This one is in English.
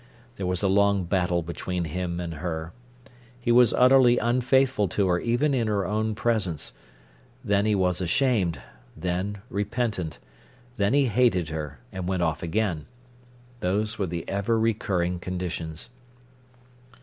There was a long battle between him and her. He was utterly unfaithful to her even in her own presence; then he was ashamed, then repentant; then he hated her, and went off again. Those were the ever recurring conditions.